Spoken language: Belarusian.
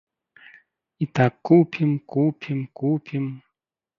І так купім, купім, купім.